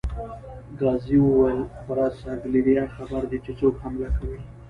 ګاووزي وویل: برساګلیریا خبر دي چې څوک حمله کوي؟